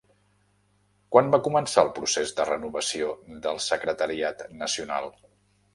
Quan va començar el procés de renovació del secretariat nacional?